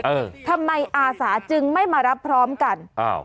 เออทำไมอาสาจึงไม่มารับพร้อมกันอ้าว